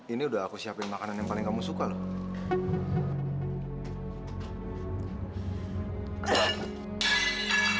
ini udah aku siapin makanan yang paling kamu suka loh